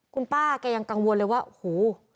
คุณป้าแกยังกังวลเลยว่าโอ้โห